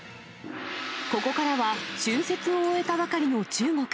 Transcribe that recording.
ここからは、春節を終えたばかりの中国。